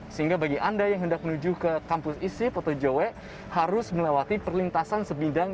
sehingga bagi anda yang hendak menuju ke kampus isif atau jw harus melewati perlintasan sebidang